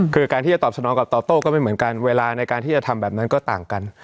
คือการที่จะตอบสนองกับตอบโต้ก็ไม่เหมือนกันเวลาในการที่จะทำแบบนั้นก็ต่างกัน